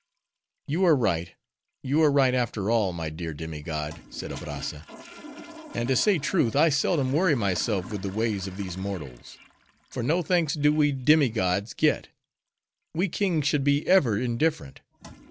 "You are right, you are right, after all, my dear demi god," said Abrazza. "And to say truth, I seldom worry myself with the ways of these mortals; for no thanks do we demi gods get. We kings should be ever indifferent.